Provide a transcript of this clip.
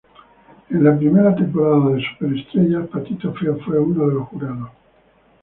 En la primera temporada de Super estrellas Patito feo fue uno de los jurados.